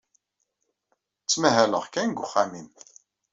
Ttmahaleɣ kan deg uxxam-nnem.